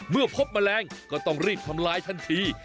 เมื่อพบแมลงก็ต้องรีบทำลายทันที